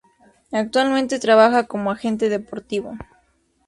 Actualmente trabaja como agente deportivo.